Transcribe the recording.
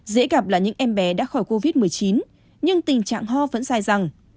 dễ gặp là những em bé đã khỏi covid một mươi chín nhưng tình trạng ho vẫn sai rằng